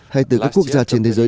hay từ các quốc gia trên thế giới